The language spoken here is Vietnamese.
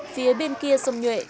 phía bên kia sông nhuệ